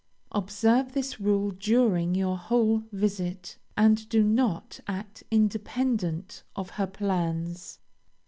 Observe this rule during your whole visit, and do not act independent of her plans.